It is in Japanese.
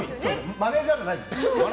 マネジャーじゃないです。